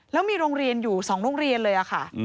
แล้วมีโรงเรียนอยู่๒โรงเรียนเลยค่ะ